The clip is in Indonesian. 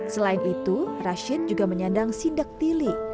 selain itu rashid juga menyandang sindaktili